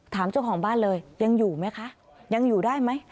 ถามเจ้าของบ้านเลยยังอยู่ไหมคะยังอยู่ได้ไหม